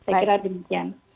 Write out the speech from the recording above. saya kira demikian